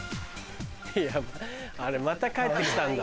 また帰ってきたんだ。